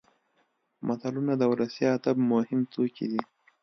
متلونه د ولسي ادب مهم توکي دي